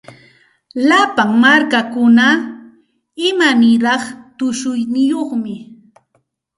Llapa markakuna imaniraq tushuyniyuqmi.